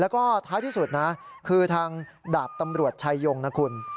แล้วก็ท้ายที่สุดนะคือทางดาบตำรวจชายงนะคุณ